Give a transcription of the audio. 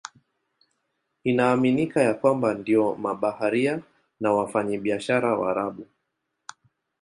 Inaaminika ya kwamba ndio mabaharia na wafanyabiashara Waarabu.